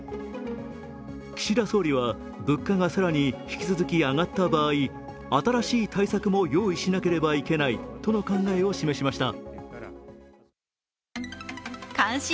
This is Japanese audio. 岸田総理は、物価が更に引き続き上がった場合、新しい対策も用意しなければいけないとの考えを示しました。